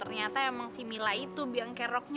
enggak zetan enggak nggak mau